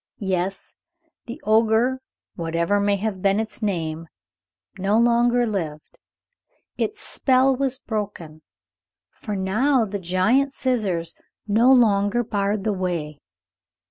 Yes, the Ogre, whatever may have been its name, no longer lived. Its spell was broken, for now the giant scissors no longer barred the way.